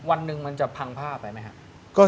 วันหนึ่งมันจะพังผ้าไปไหมครับ